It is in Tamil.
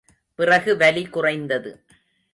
பிறகு வலி குறைந்தது.